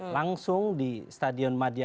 langsung di stadion madia